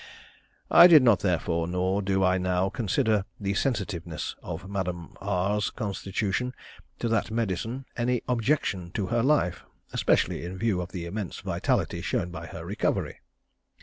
I did not, therefore, nor do I now, consider the sensitiveness of Madame R's constitution to that medicine any objection to her life, especially in view of the immense vitality shown by her recovery.